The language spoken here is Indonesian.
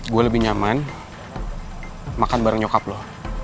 gue lebih nyaman makan bareng nyokap loh